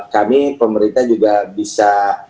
kami pemerintah juga bisa